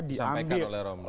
di sampaikan oleh romli